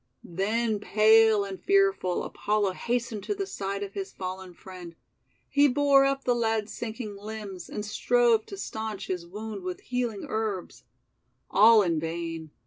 then, pale and fearful, Apollo hastened to the side of his fallen friend. He bore up the lad's sinking limbs, and strove to stanch his wound HYACINTH 15 _>•' with healing herbs. All in vain!